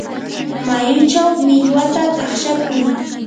mayuchaw millwata takshakuy.